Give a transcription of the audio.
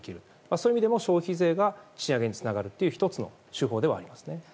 そういう意味でも消費税が賃上げにつながるという１つの手法ではありますね。